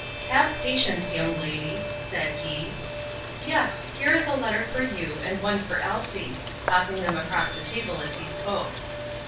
"Have patience, young lady," said he. "Yes, here is a letter for you, and one for Elsie," tossing them across the table as he spoke.